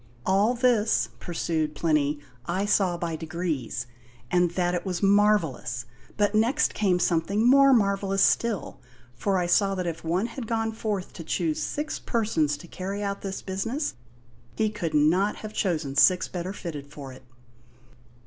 "All this," pursued Plinny, "I saw by degrees, and that it was marvellous; but next came something more marvellous still, for I saw that if one had gone forth to choose six persons to carry out this business, he could not have chosen six better fitted for it."